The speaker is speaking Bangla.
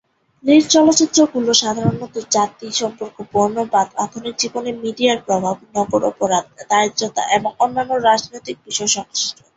লির চলচ্চিত্রগুলো সাধারণত জাতি সম্পর্ক, বর্ণবাদ, আধুনিক জীবনে মিডিয়ার প্রভাব, নগর অপরাধ, দারিদ্রতা এবং অন্যান্য রাজনৈতিক বিষয় সংশ্লিষ্ট।